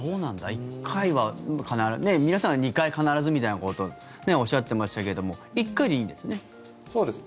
１回は必ず皆さんは２回必ずみたいなことをおっしゃっていましたけども１回でいいんですね？